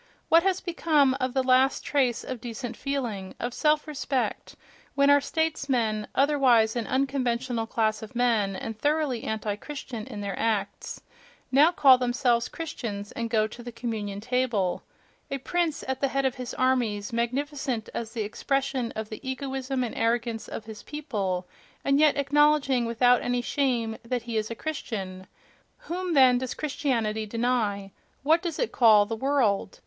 What has become of the last trace of decent feeling, of self respect, when our statesmen, otherwise an unconventional class of men and thoroughly anti Christian in their acts, now call themselves Christians and go to the communion table?... A prince at the head of his armies, magnificent as the expression of the egoism and arrogance of his people—and yet acknowledging, without any shame, that he is a Christian!... Whom, then, does Christianity deny? what does it call "the world"?